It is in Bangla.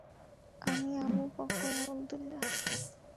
আমি আবু বকর আবদুল্লাহ!